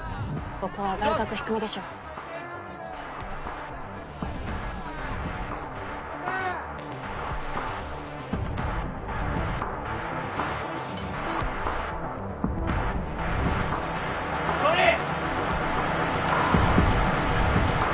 ここは外角低めでしょうトミー！